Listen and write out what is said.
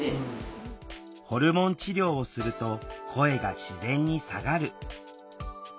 ホルモン治療をすると声が自然に下がる。